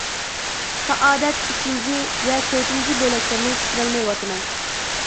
سائادەت، ئۈچىنچى ۋە تۆتىنچى بۆلەكلىرىنى چۈشۈرەلمەيۋاتىمەن.